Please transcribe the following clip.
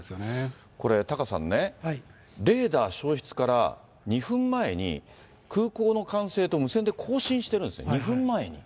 これタカさんね、レーダー消失から２分前に、空港の管制と無線で交信してるんですよ、２分前に。